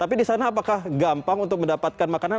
tapi di sana apakah gampang untuk mendapatkan makanan